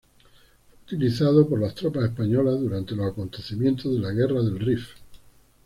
Fue utilizado por las tropas españolas durante los acontecimientos de la guerra del Rif.